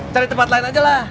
cari tempat lain ajalah